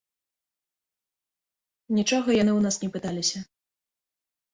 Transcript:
Нічога яны ў нас не пыталіся.